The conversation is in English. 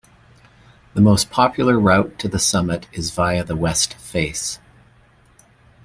The most popular route to the summit is via the west face.